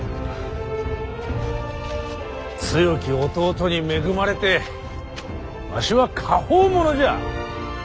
強き弟に恵まれてわしは果報者じゃ。